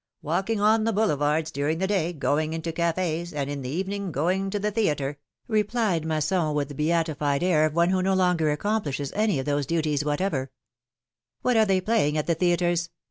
Walking on the Boulevards during the day, going into cafes, and in the evening going to the theatre," replied Masson, with the beatified air of one who no longer accomplishes any of those duties whatever. 134 philom^:ne's marriages. What are they playing at the theatres?"